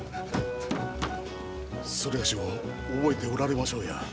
某を覚えておられましょうや。